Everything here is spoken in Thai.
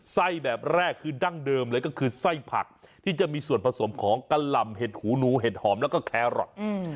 ไส้แบบแรกคือดั้งเดิมเลยก็คือไส้ผักที่จะมีส่วนผสมของกะหล่ำเห็ดหูหนูเห็ดหอมแล้วก็แครอท